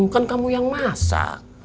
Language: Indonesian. kan kamu yang masak